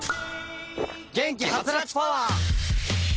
元気ハツラツパワー！